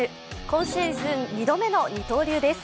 今シーズン２度目の二刀流です。